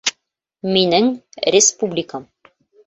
Минең республикам